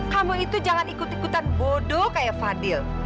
kamu itu jalan ikut ikutan bodo kayak fadil